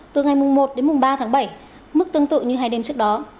từ ngày một đến ba tháng bảy mức tương tự như hai đêm trước đó